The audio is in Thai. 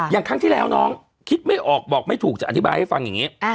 ครั้งที่แล้วน้องคิดไม่ออกบอกไม่ถูกจะอธิบายให้ฟังอย่างนี้